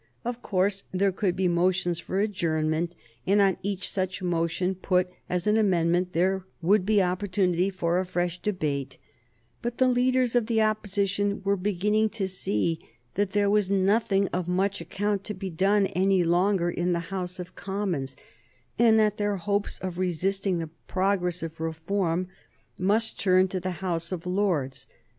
Of course, there could be motions for adjournment, and on each such motion, put as an amendment, there would be opportunity for a fresh debate; but the leaders of the Opposition were beginning to see that there was nothing of much account to be done any longer in the House of Commons, and that their hopes of resisting the progress of reform must turn to the House of Lords.